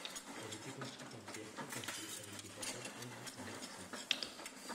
Elle était construite en pierres concassées avec des façades enduites en mortier.